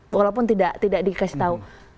walaupun tidak dikasih tahu